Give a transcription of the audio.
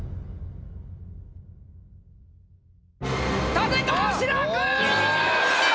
立川志らく！